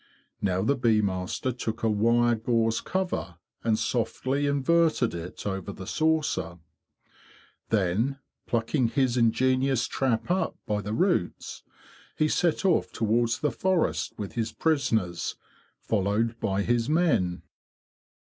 Now the bee master took a wire gauze cover and softly inverted it over the saucer. Then, plucking his ingenious trap up by the roots, he set off towards the forest with his prisoners, followed by his men.